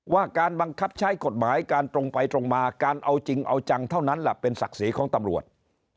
ว่าการบังคับใช้กฎหมายการตรงไปตรงมาการเอาจริงเอาจังเท่านั้นแหละเป็นศักดิ์ศรีของตำรวจ